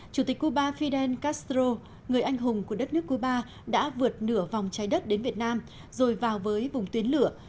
chủ tịch cuba fidel castro người anh hùng của đất nước cuba đã vượt nửa vòng trái đất đến việt nam rồi vào với vùng tuyến lửa